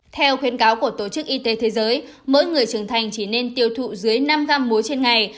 theo khuyến cáo của tổ chức y tế thế giới mỗi người trưởng thành chỉ nên tiêu thụ dưới năm gam muối trên ngày